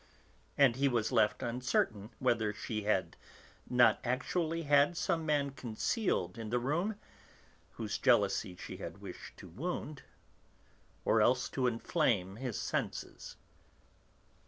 And he was left uncertain whether she had not actually had some man concealed in the room, whose jealousy she had wished to wound, or else to inflame his senses.